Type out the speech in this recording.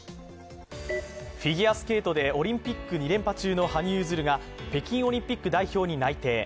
フィギュアスケートでオリンピック２連覇中の羽生結弦が北京オリンピック代表に内定。